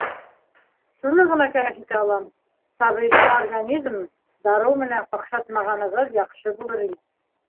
Шуны ғына кәңәш итә алам: сабыйҙың организмын дарыу менән ҡаҡшатмағанығыҙ яҡшы булыр ине.